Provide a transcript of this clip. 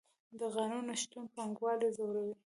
د قانون نشتون پانګوال ځوروي.